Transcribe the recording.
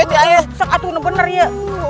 aduh ya sekatun bener ya